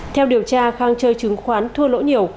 theo điều tra khang chơi chứng khoán thua lỗ nhiều